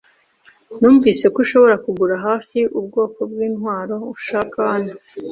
Numvise ko ushobora kugura hafi ubwoko bwintwaro ushaka hano.